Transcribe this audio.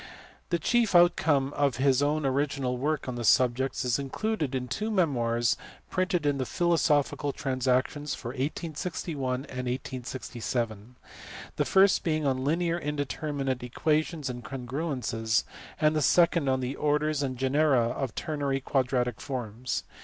The chief outcome of his own original work on the sub ject is included in two memoirs printed in the Philosophical Transactions for 1861 and 1867 ; the first being on linear indeterminate equations and congruences, and the second on the orders and genera of ternary quadratic forms.